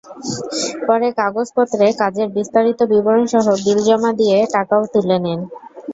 পরে কাগজপত্রে কাজের বিস্তারিত বিবরণসহ বিল জমা দিয়ে টাকাও তুলে নেন।